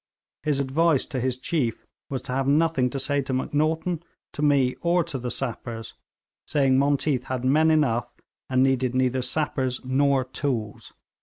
His advice to his chief was to have nothing to say to Macnaghten, to me, or to the sappers, saying Monteath had men enough, and needed neither sappers nor tools.'